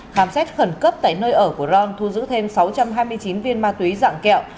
khám xét khẩn cấp tại nơi ở của ron thu giữ thêm sáu trăm hai mươi chín viên ma túy dạng kẹo